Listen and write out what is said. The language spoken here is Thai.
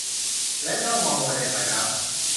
และจ้องมองลงไปในสายน้ำ